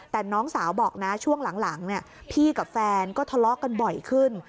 แต่น้องสาวบอกนะช่วงหลังพี่กับแฟนก็ทะเลาะกันบ่อยขึ้น